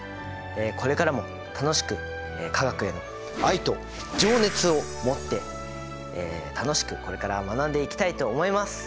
これからも楽しく化学への愛と情熱を持って楽しくこれから学んでいきたいと思います！